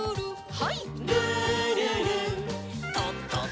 はい。